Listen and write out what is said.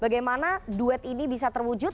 bagaimana duet ini bisa terwujud